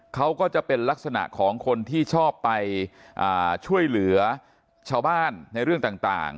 เขาก็จะเป็นลักษณะของคนที่ชอบไปช่วยเหลือชาวบ้านในเรื่องต่าง